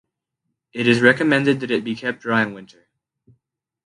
It is recommended that it be kept dry in winter.